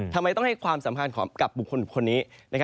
ทำไมต้องให้ความสำคัญกับบุคคลคนนี้